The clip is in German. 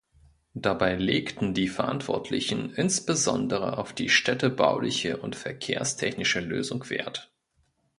Dabei legten die Verantwortlichen insbesondere auf die städtebauliche und verkehrstechnische Lösung wert.